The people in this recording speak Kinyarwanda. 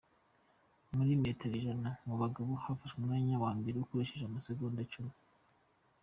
Muri metero ijana mu bagabo, yafashe umwanya wa mbere akoresheje amasegonda icumi